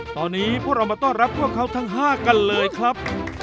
ตอนนี้พวกเรามาต้อนรับพวกเขาทั้ง๕กันเลยครับ